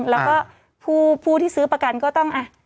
แล้วก็ผู้ที่ซื้อประกันก็ต้อง